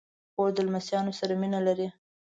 خور د لمسيانو سره مینه لري.